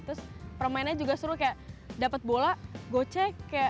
terus permainnya juga seru kayak dapet bola go cek